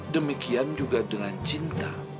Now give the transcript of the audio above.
demikian juga dengan cinta